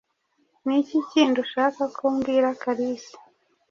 Niki kindi ushaka ko mbwira Kalisa?